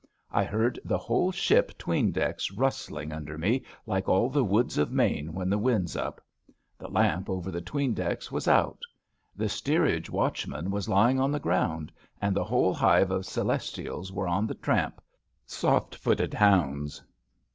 I heard the whole ship 'tween decks rustling under me like all the woods of Maine when the wind^s up. The lamp over the ^tween decks was out. The steerage watchman was lying on the ground, and the whole hive of Celestials were on the tramp — soft footed hounds.